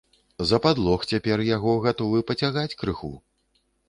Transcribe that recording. За падлог цяпер яго гатовы пацягаць крыху.